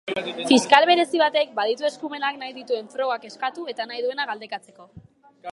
Fiskal berezi batek baditu eskumenak nahi dituen frogak eskatu eta nahi duena galdekatzeko.